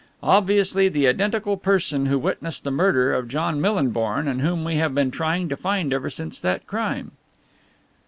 Obviously the identical person who witnessed the murder of John Millinborn and whom we have been trying to find ever since that crime."